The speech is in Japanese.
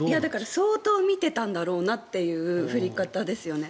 相当見てたんだろうなという振り方ですね。